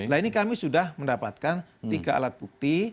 nah ini kami sudah mendapatkan tiga alat bukti